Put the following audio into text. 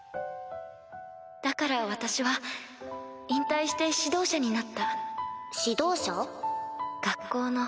だから私は引退して指導者になったほう！